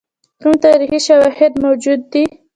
کوم تاریخي شواهد موجود دي.